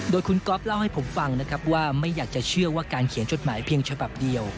โดยคุณก๊อฟเล่าให้ผมฟังนะครับว่าไม่อยากจะเชื่อว่าการเขียนจดหมายเพียงฉบับเดียว